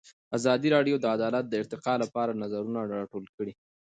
ازادي راډیو د عدالت د ارتقا لپاره نظرونه راټول کړي.